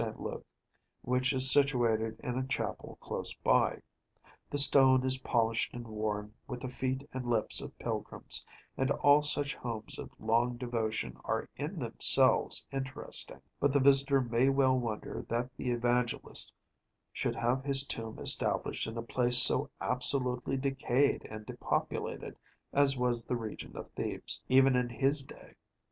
Luke, which is situated in a chapel close by. The stone is polished and worn with the feet and lips of pilgrims, and all such homes of long devotion are in themselves interesting; but the visitor may well wonder that the Evangelist should have his tomb established in a place so absolutely decayed and depopulated as was the region of Thebes, even in his day.